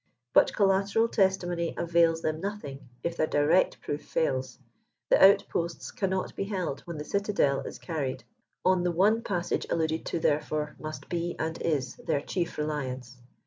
But callateral testimony avails them nothing if their direct proof fails ; the outposts cannot be held when the citadel is carried. On the one passage alluded to, therefore, must be and is their chief reliance.